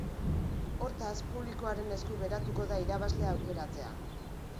Hortaz, publikoaren esku geratuko da irabazlea aukeratzea.